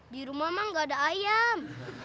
di rumah mah gak ada ayam